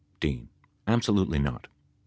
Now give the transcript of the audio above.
Absolutely not. P.